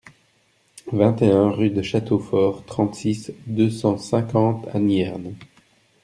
vingt et un rue de Château Fort, trente-six, deux cent cinquante à Niherne